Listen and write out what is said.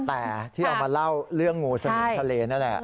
แต่ที่เอามาเล่าเรื่องงูสนิมทะเลนั่นแหละ